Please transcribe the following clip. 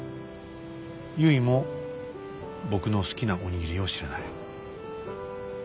ゆいも僕の好きなお握りを知らない。